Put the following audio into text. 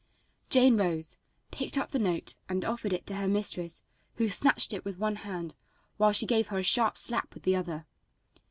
Jane rose, picked up the note and offered it to her mistress, who snatched it with one hand, while she gave her a sharp slap with the other.